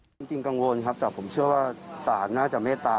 จริงกังวลครับแต่ผมเชื่อว่าศาลน่าจะเมตตา